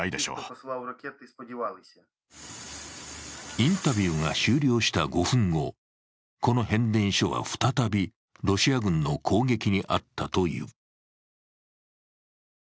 インタビューが終了した５分後、この変電所は再びロシア軍の攻撃に遭ったという。